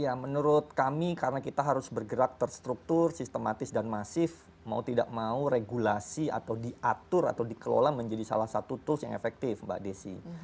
ya menurut kami karena kita harus bergerak terstruktur sistematis dan masif mau tidak mau regulasi atau diatur atau dikelola menjadi salah satu tools yang efektif mbak desi